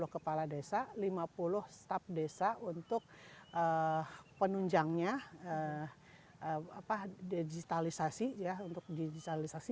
lima puluh kepala desa lima puluh staff desa untuk penunjangnya digitalisasi